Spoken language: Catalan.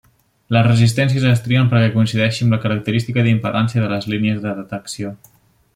Les resistències es trien perquè coincideixi amb la característica d'impedància de les línies de detecció.